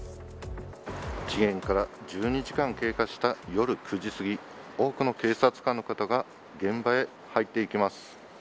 事件から１２時間経過した夜９時すぎ多くの警察官の方が現場へ入っていきます。